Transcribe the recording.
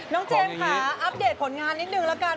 น้องเจมส์ค่ะอัปเดตผลงานนิดหนึ่งแล้วกัน